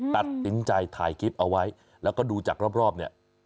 ตัดสินใจถ่ายคลิปเอาไว้แล้วก็ดูจากรอบเนี่ย